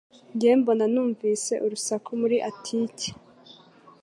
Njye mbona numvise urusaku muri atike